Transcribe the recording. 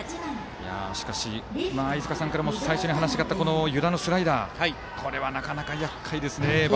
しかし飯塚さんからも最初に話があった湯田のスライダーはバッターからするとなかなかやっかいですね。